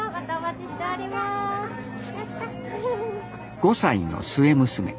５歳の末娘